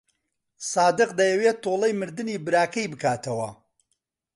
سادق دەیەوێت تۆڵەی مردنی براکەی بکاتەوە.